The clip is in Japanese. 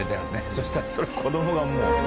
そしたらそれ子供がもう。